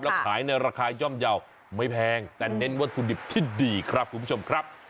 แล้วขายในราคาย่อมเยาว์ไม่แพงแต่เน้นวัตถุดิบที่ดีครับคุณผู้ชมครับ